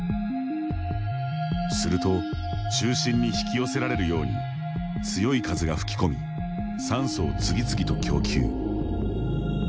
すると中心に引き寄せられるように強い風が吹きこみ酸素を次々と供給。